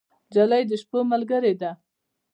نجلۍ د شپو ملګرې ده.